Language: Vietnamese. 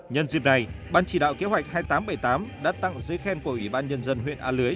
nhân dịp này ban chỉ đạo kế hoạch hai nghìn tám trăm bảy mươi tám đã tặng giấy khen của ủy ban nhân dân huyện a lưới